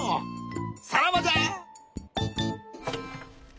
さらばじゃ！